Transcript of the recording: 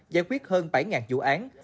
giải quyết hơn bảy vụ án